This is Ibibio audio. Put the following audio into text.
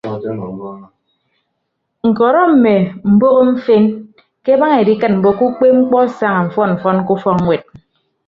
Ñkọrọ mme mboho mfen ke abaña edikịt mbo ke ukpeepmkpọ asaña mfọn mfọn ke ufọkñwet.